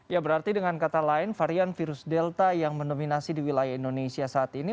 ya berarti dengan kata lain varian virus delta yang mendominasi di wilayah indonesia saat ini